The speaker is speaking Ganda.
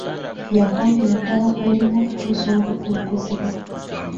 Yakombera ddala kw'erima okutuusa obudde okuziba.